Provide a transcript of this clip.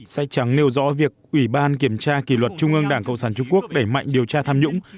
sách trắng nêu rõ việc ủy ban kiểm tra kỷ luật trung ương đảng cộng sản trung quốc đẩy mạnh điều tra tham nhũng